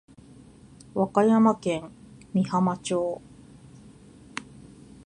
和歌山県美浜町